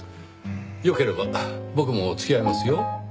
よければ僕も付き合いますよ。